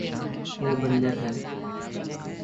وہ بندر ہے